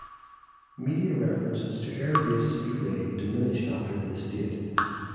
Media references to Air Base Speedway diminish after this date.